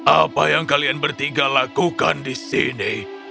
apa yang kalian bertiga lakukan di sini